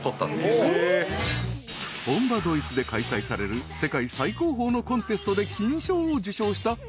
［本場ドイツで開催される世界最高峰のコンテストで金賞を受賞した］